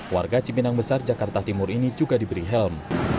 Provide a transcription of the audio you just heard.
warga cipinang besar jakarta timur ini juga diberi helm